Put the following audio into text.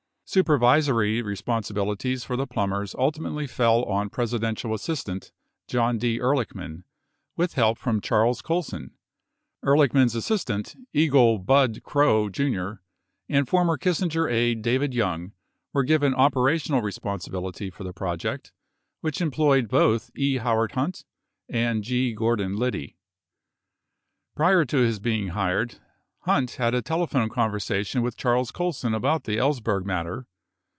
97 Supervisory responsibilities for the Plumbers ultimately fell on Presidential assistant John D. Ehrlichman with help from Charles Colson. Ehrlichman's assistant, Egil "Bud" Krogh, Jr., and former Kissinger aide David Young were given operational responsibility for the project, which employed both E. Howard Hunt and G. Gordon Liddy. Prior to his being hired, Hunt had a telephone conversation with Charles Colson about the Ellsberg matter.